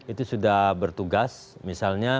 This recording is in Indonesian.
itu sudah bertugas misalnya